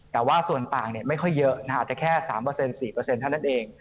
แต่ว่าส่วนต่างไม่ค่อยเยอะอาจจะแค่๓๔เท่านั้นเอง